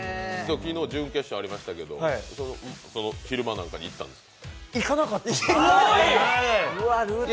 昨日、準決勝ありましたけど昼間に行ったんですか？